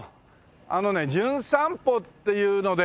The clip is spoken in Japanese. あのね『じゅん散歩』っていうので来ました